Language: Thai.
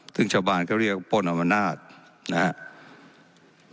ซึ่งชาวบ้านก็เรียกป้นอมนาศนะครับ